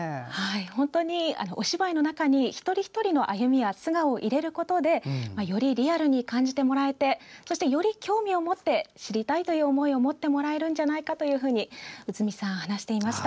本当にお芝居の中に一人一人の歩みや素顔を入れることでよりリアルに感じてもらえてそして、より興味を持って知りたいという思いを持ってもらえるんじゃないかと内海さんは話していました。